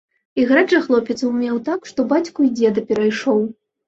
Іграць жа хлопец умеў так, што бацьку і дзеда перайшоў.